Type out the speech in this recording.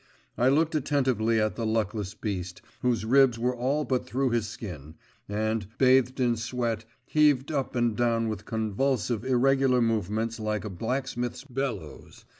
I looked attentively at the luckless beast, whose ribs were all but through its skin, and, bathed in sweat, heaved up and down with convulsive, irregular movements like a blacksmith's bellows.